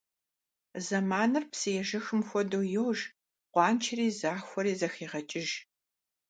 Заманыр псы ежэхым хуэдэу йож, къуэншари захуэри зэхегъэкӏыж.